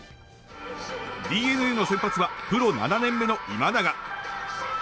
ＤｅＮＡの先発はプロ７年目の今永。